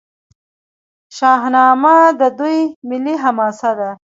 شاهنامه د دوی ملي حماسه ده.